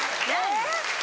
えっ？